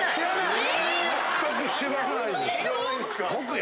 え！